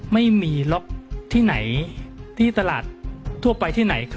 ไม่มีล็อกที่ไหนที่ตลาดทั่วไปที่ไหน